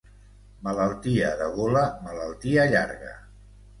Malaltia de gola, malaltia llarga.